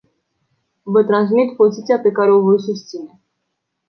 Vă transmit poziția pe care o voi susține.